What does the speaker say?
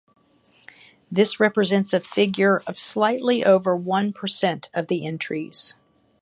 This represents a figure of slightly over one percent of the entries.